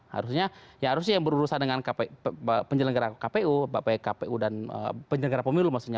harusnya yang berurusan dengan penyelenggara kpu bapak pek kpu dan penyelenggara pemilu maksudnya